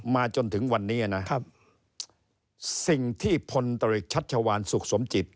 จนถึงวันนี้นะครับสิ่งที่พลตริกชัชวานสุขสมจิต